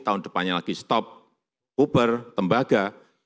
tahun depannya lagi stop uber tembaga